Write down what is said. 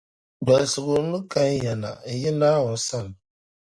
Dolisigu ni kan ya na n yi Naawuni sani